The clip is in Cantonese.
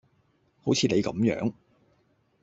好似你咁樣